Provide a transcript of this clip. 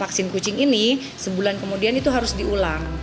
vaksin kucing ini sebulan kemudian itu harus diulang